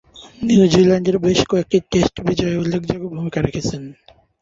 নিউজিল্যান্ডের বেশ কয়েকটি টেস্ট বিজয়ে উল্লেখযোগ্য ভূমিকা রেখেছেন।